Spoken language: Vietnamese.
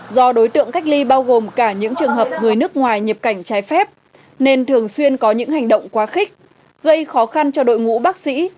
do đối tượng cách ly bao gồm cả những trường hợp người nước ngoài nhập cảnh trái phép nên thường xuyên có những hành động quá khích gây khó khăn cho đội ngũ bác sĩ